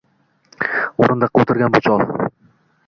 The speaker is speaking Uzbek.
Oʻrindiqqa oʻtirgan bu chol